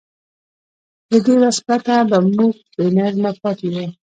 له دې وس پرته به موږ بېنظمه پاتې وو.